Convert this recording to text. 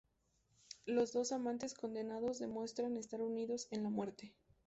Los dos amantes condenados, demuestran estar unidos en la muerte.